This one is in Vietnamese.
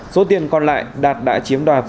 số tiền còn lại đạt đã chiếm đoạt